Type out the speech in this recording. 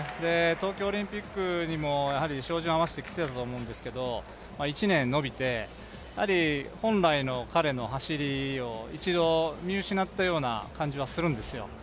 東京オリンピックにも、照準を合わせてきていたと思うんですが１年延びて、本来の彼の走りを一度見失ったような感じはするんですよ。